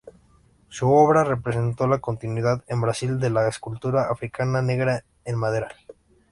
Su obra representó la continuidad en Brasil de la escultura africana negra en madera.